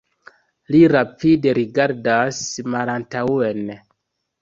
Li rapide rigardas malantaŭen.